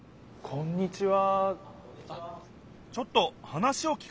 こんにちは。